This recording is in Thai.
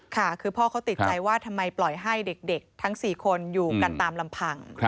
ค่ะคือพ่อเขาติดใจว่าทำไมปล่อยให้เด็กทั้ง๔คนอยู่กันตามลำพัง